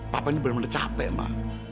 papa ini bener bener capek ma